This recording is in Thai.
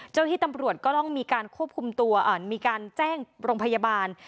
เจ้าหน้าที่ตำรวจก็ต้องมีการควบคุมตัวมีการแจ้งโรงพยาบาล